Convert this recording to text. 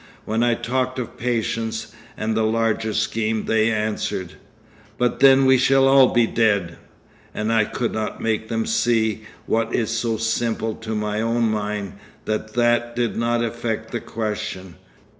When I talked of patience and the larger scheme, they answered, "But then we shall all be dead"—and I could not make them see, what is so simple to my own mind, that that did not affect the question.